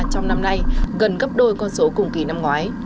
trong năm nay gần gấp đôi con số cùng kỳ năm ngoái